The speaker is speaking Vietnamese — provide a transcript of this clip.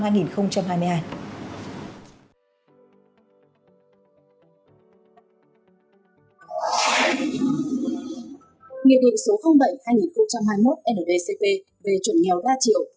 nghị định số bảy hai nghìn hai mươi một nvcp về chuẩn nghèo đa triệu